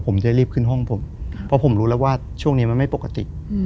ผมจะรีบขึ้นห้องผมเพราะผมรู้แล้วว่าช่วงนี้มันไม่ปกติ